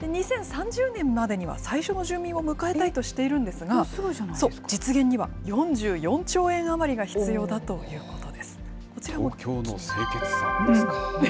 ２０３０年までには最初の住民を迎えたいとしているんですが、実現には４４兆円余りが必要だとい東京の清潔さですか。